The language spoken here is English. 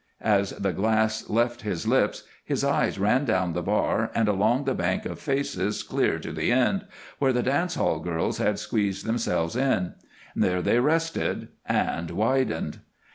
As the glass left his lips his eyes ran down the bar and along the bank of faces, clear to the end, where the dance hall girls had squeezed themselves in. There they rested, and widened.